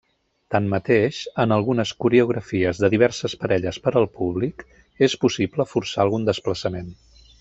Tanmateix, en algunes coreografies de diverses parelles per al públic és possible forçar algun desplaçament.